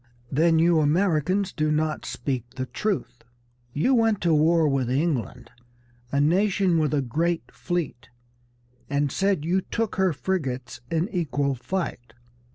Then, you Americans do not speak the truth. You went to war with England, a nation with a great fleet, and said you took her frigates in equal fight.